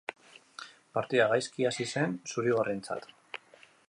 Partida gaizki hasi zen zuri-gorrientzat.